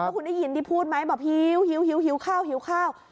คุณนายยินที่พูดไหมแบบหิวเข้า